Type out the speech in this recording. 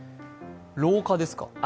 老化ですか？